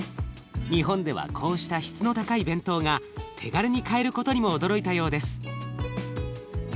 日本ではこうした質の高い弁当が手軽に買えることにも驚いたようです。